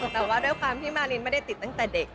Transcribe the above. แต่ว่าด้วยความที่มารินไม่ได้ติดตั้งแต่เด็ก